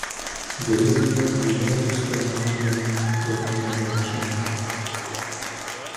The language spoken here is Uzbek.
Grizmann "Yuventus"da Ronalduning o‘rnini egallashi mumkin